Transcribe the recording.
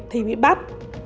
thì bị bắt